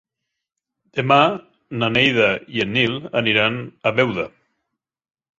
Demà na Neida i en Nil aniran a Beuda.